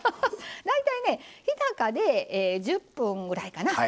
大体ね日高で１０分ぐらいかな。